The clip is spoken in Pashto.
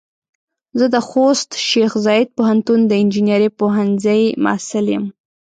زه د خوست شیخ زايد پوهنتون د انجنیري پوهنځۍ محصل يم.